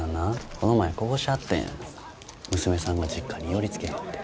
この前こぼしてはったんや娘さんが実家に寄りつけへんて。